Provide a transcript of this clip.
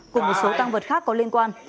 cùng một số tăng vật khác có liên quan